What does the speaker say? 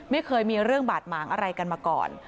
ไม่เคยมีเรื่องบาดหมางอะไรกันมาก่อน